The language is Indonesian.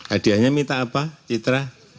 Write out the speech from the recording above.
hadiahnya minta apa citra